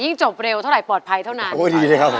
ยิ่งจบเร็วเท่าไรปกปลายเท่านั้น